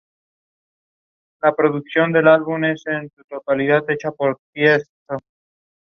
One of his unidentified relatives was killed during the war.